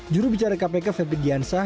juru bicara kpk fepi diansah